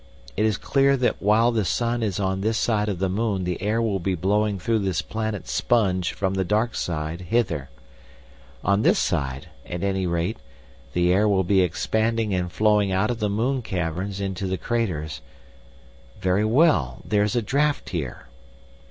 It is clear that while the sun is on this side of the moon the air will be blowing through this planet sponge from the dark side hither. On this side, at any rate, the air will be expanding and flowing out of the moon caverns into the craters.... Very well, there's a draught here."